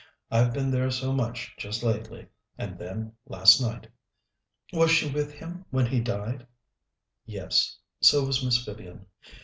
I've been there so much just lately, and then last night " "Was she with him when he died?" "Yes. So was Miss Vivian.